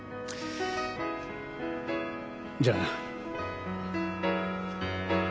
じゃあな。